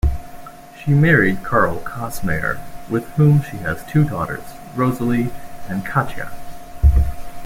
She married Karl Kossmayer, with whom she has two daughters, Rosalie and Katja.